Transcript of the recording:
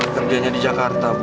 kerjanya di jakarta bu